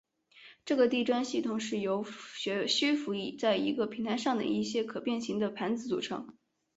这个地砖系统是由虚浮在一个平台上的一些可变型的盘子组成。